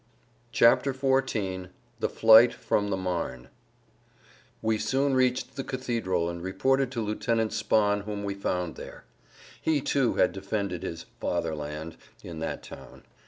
[Pg 108] XIV THE FLIGHT FROM THE MARNE We soon reached the cathedral and reported to Lieutenant Spahn whom we found there. He, too, had defended his "Fatherland" in that town.